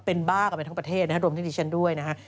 เป็นบ้ากับทั้งประเทศนะฮะโดยมีที่ดิชันด้วยนะฮะ